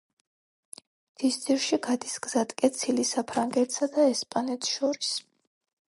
მთისძირში გადის გზატკეცილი საფრანგეთსა და ესპანეთს შორის.